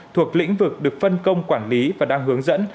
thuộc lĩnh vực được phân công quản lý và đang hướng dẫn